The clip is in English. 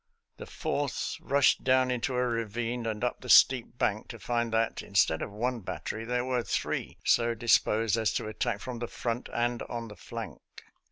The Fourth rushed down into a ravine and up the steep bank to find that instead of one battery, there were three so disposed as to attack from the front and on the fiank.